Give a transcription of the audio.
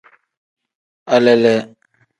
Alele.